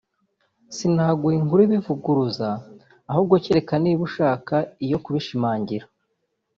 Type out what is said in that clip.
sinaguha inkuru ibivuguruza ahubwo kereka niba ushaka iyo kubishimangira